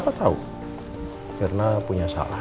papa tau mirna punya salah